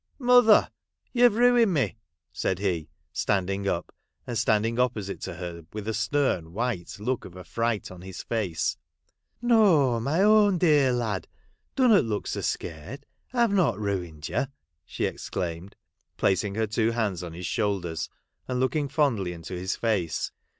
' Mother ! you Ve ruined me,' said he standing up, and standing opposite to her with a stern white look of affright on his face. ' No ! my own dear lad ; dunnot look so scared, I have not ruined you !' she exclaimed, placing her two hands on his shoulders and looking fondly into his face.